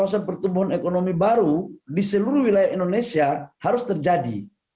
kawasan pertumbuhan ekonomi baru di seluruh wilayah indonesia harus terjadi